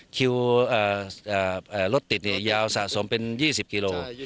คิวรถติดยาวสะสมเป็น๒๐กิโล